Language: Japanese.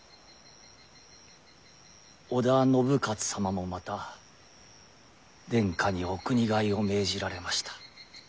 織田信雄様もまた殿下にお国替えを命じられました。